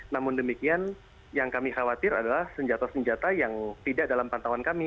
namun demikian yang kami khawatir adalah senjata senjata yang tidak dalam pantauan kami